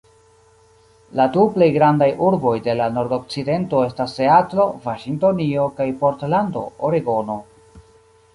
La du plej grandaj urboj de la nordokcidento estas Seatlo, Vaŝingtonio kaj Portlando, Oregono.